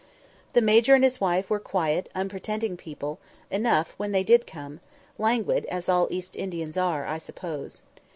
The major and his wife were quiet unpretending people enough when they did come; languid, as all East Indians are, I suppose.